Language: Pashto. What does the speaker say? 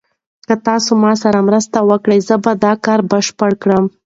که تاسي ما سره مرسته وکړئ زه به دا کار بشپړ کړم.